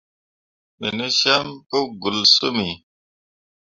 Me ne cem pu gbelsyimmi.